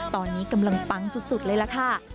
ตอนนี้กำลังปังสุดเลยล่ะค่ะ